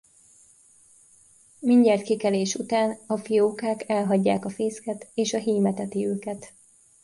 Mindjárt kikelés után a fiókák elhagyják a fészket és a hím eteti őket.